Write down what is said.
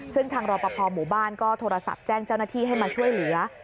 ซึ่งทางรอปภหมู่บ้านก็โทรศัพท์แจ้งเจ้าหน้าที่ให้มาช่วยเหลือ